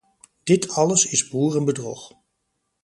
Dit alles is boerenbedrog.